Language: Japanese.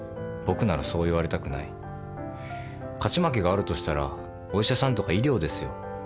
僕ならそう言われたくない」「勝ち負けがあるとしたらお医者さんとか医療ですよ」